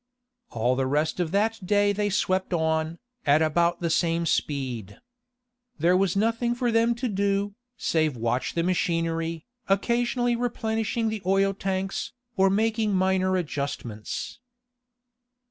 All the rest of that day they swept on, at about the same speed. There was nothing for them to do, save watch the machinery, occasionally replenishing the oil tanks, or making minor adjustments.